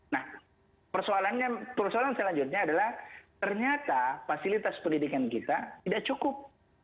nah persoalannya persoalan selanjutnya adalah ternyata fasilitas pendidikan kita tidak cukup